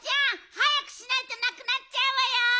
はやくしないとなくなっちゃうわよ。